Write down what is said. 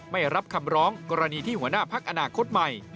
ไม่รับคำร้องกรณีที่หัวหน้าพักอนาคตใหม่